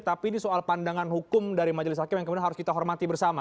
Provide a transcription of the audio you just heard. tapi ini soal pandangan hukum dari majelis hakim yang kemudian harus kita hormati bersama